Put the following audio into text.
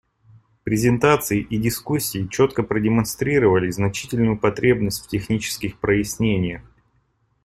Презентации и дискуссии четко продемонстрировали значительную потребность в технических прояснениях.